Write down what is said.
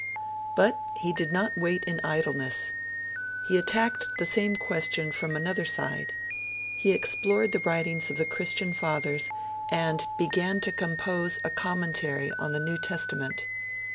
But, he did not wait in idleness. He attacked the same question from another side: he explored the writings of the Christian Fathers, and began to compose a commentary on the New Testament.